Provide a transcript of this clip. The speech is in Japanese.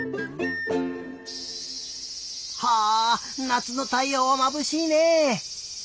はあなつのたいようはまぶしいね。